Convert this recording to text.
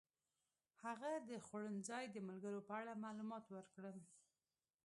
هغه د خوړنځای د ملګرو په اړه معلومات ورکړل.